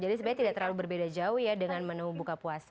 jadi sebenarnya tidak terlalu berbeda jauh ya dengan menu buka puasa